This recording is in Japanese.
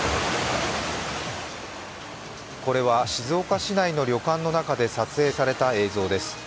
これは静岡市内の旅館の中で撮影された映像です。